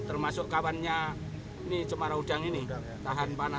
termasuk kawannya ini cemara udang ini tahan panas